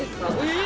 え！